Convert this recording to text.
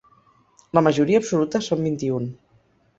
La majoria absoluta són vint-i-un.